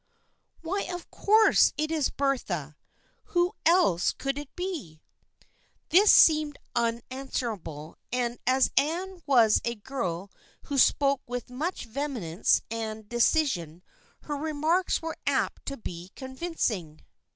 " Why, of course it is Bertha ! Who else could it be ?" This seemed unanswerable, and as Anne was a girl who spoke with much vehemence and de cision her remarks were apt to be convincing.